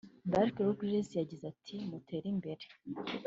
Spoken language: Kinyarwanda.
Barks-Ruggles yagize ati” mutere imbere